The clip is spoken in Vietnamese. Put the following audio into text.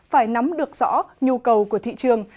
phải nắm được rõ nhu cầu của thị trường